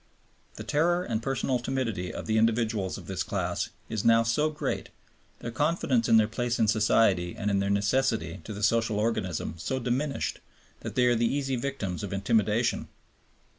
The terror and personal timidity of the individuals of this class is now so great, their confidence in their place in society and in their necessity to the social organism so diminished, that they are the easy victims of intimidation.